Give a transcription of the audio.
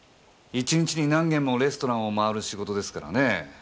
一日に何軒もレストランを回る仕事ですからね。